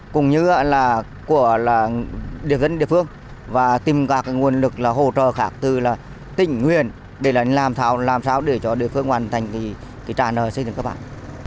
cũng như là của địa dân địa phương và tìm cả nguồn lực hỗ trợ khác từ tình nguyện để làm sao để cho địa phương hoàn thành trả nợ xây dựng cơ bản